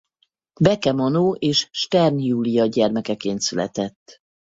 Beke Manó és Stern Júlia gyermekeként született.